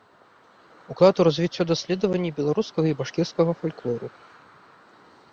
Уклад у развіццё даследаванні беларускага і башкірскага фальклору.